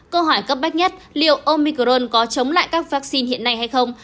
câu hỏi cấp bách nhất liệu omicron có chống lại các virus